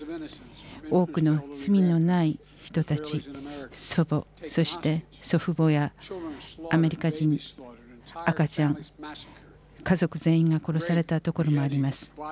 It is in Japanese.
多くの罪のない人たち祖母そして祖父母やアメリカ人赤ちゃん家族全員が殺されたところもあります。